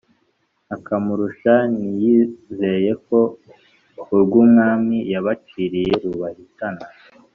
akamurusha ntiyizeyeko urw’umwami yabaciriye rubahitana